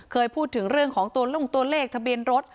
เคยพูดถึงเรื่องของตัวลงตัวเลขทะเบียนรถ